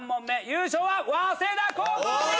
優勝は早稲田高校です！